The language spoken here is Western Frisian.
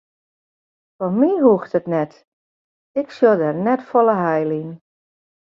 Foar my hoecht it net, ik sjoch der net folle heil yn.